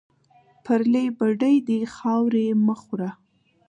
پرلې بډۍ دې خاورې مه خوره